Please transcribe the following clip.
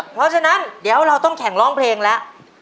เพราะฉะนั้นเดี๋ยวเราต้องแข่งร้องเพลงแล้ว